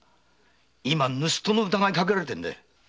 今盗っ人の疑いをかけられてるんだよ！